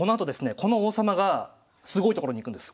この王様がすごい所に行くんです。